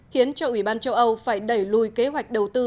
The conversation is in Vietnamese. khiến cho ủy ban châu âu phải đẩy lùi kế hoạch đầu tư